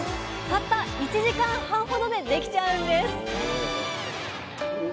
たった１時間半ほどで出来ちゃうんです！